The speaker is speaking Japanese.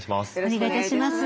お願い致します。